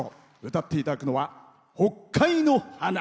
歌っていただくのは「北海の花」。